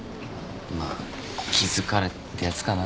まあ気疲れってやつかな。